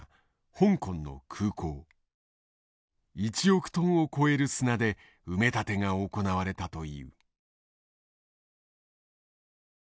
１億トンを超える砂で埋め立てが行われたという。